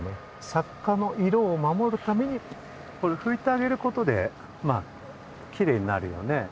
作家の色を守るためにこれふいてあげることでまあキレイになるよね。